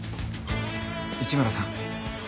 一村さん